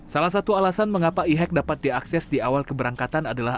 salah satu alasan mengapa e hack dapat diakses di awal keberangkatan adalah